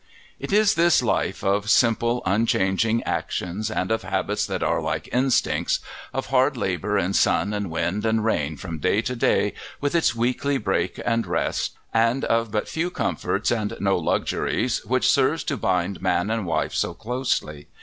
It is this life of simple, unchanging actions and of habits that are like instincts, of hard labour in sun and wind and rain from day to day, with its weekly break and rest, and of but few comforts and no luxuries, which serves to bind man and wife so closely.